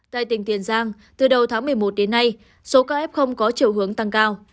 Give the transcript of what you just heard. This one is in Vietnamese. tại tỉnh tiền giang từ đầu tháng một mươi một đến nay số ca f có chiều hướng tăng cao